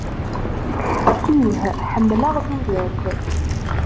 Ih ḥemmleɣ tudert!